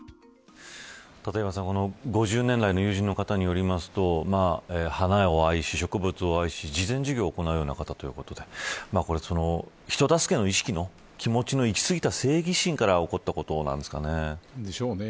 立岩さん、この５０年来の友人の方によりますと花を愛し、植物を愛し慈善事業を行うような方ということで人助けの意識の気持ちのいき過ぎた正義心からでしょうね。